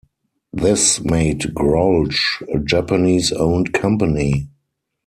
This made Grolsch a Japanese owned company.